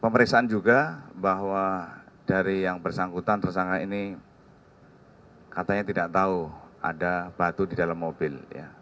pemeriksaan juga bahwa dari yang bersangkutan tersangka ini katanya tidak tahu ada batu di dalam mobil